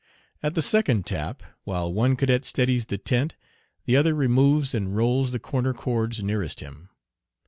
At the second tap, while one cadet steadies the tent the other removes and rolls the corner cords nearest him.